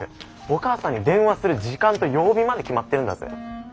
お母さんに電話する時間と曜日まで決まってんだぜ。